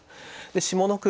下の句